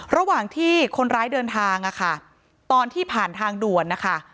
ระหว่างที่คนร้ายเดินทางตอนที่ผ่านทางด่วนนะคะ